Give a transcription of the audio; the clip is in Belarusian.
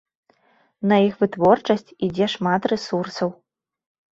На іх вытворчасць ідзе шмат рэсурсаў.